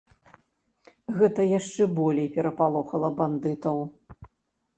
Гэта яшчэ болей перапалохала бандытаў.